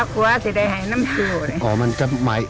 คว้าใส่ใดหายน้ำเชี่ยวเลย